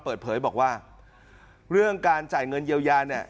เปิดเผยบอกว่าเรื่องการจ่ายเงินเยียวยาเนี่ย